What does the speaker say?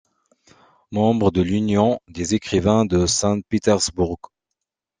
Membre de l'Union des écrivains de Saint-Pétersbourg.